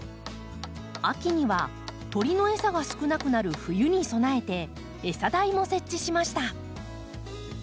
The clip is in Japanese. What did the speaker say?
秋には鳥のエサが少なくなる冬に備えてエサ台も設置しました。